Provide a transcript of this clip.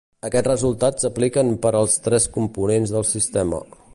Aquests resultats apliquen per als tres components del sistema.